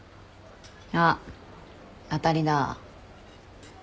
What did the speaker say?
あっ当たりだ。